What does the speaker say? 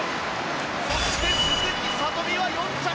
そして鈴木聡美は４着。